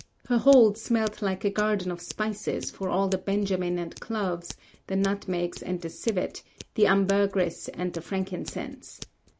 Her hold smelt like a garden of spices for all the benjamin and cloves, the nutmegs and the civet, the ambergris and frankincense.